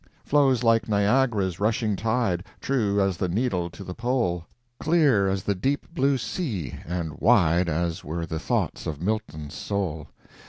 Flows like Niagara's rushing tide— True as the needle to the pole; Clear as the deep blue sea, and wide As were the thoughts of Milton's soul.